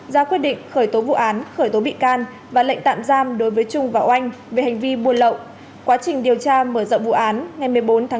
ra quyết định khởi tố vụ án khởi tố bị can và lệnh tạm giam đối với bùi quốc việt